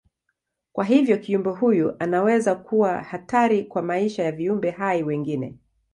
Kwa hivyo kiumbe huyu inaweza kuwa hatari kwa maisha ya viumbe hai wengine.